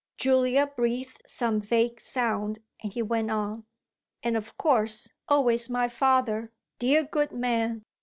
Julia breathed some vague sound and he went on: "And of course always my father, dear good man.